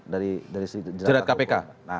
dari jenat kpk